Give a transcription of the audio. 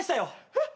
えっ！